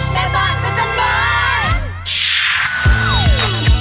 แม่บ้านพระจันทร์บ้าน